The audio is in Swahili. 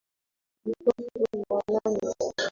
Mtoto ni wa nani?